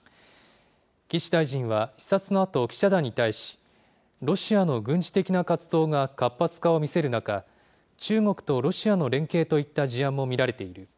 岸大臣は視察のあと、記者団に対し、ロシアの軍事的な活動が活発化を見せる中、中国とロシアの連携といった事案も見られている。